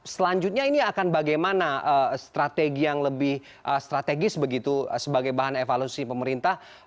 selanjutnya ini akan bagaimana strategi yang lebih strategis begitu sebagai bahan evaluasi pemerintah